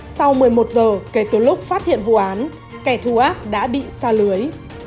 sau một mươi một giờ kể từ lúc phát hiện vụ án kẻ thù ác đã bị xa lưới